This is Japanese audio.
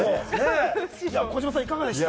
児嶋さん、いかがでしたか？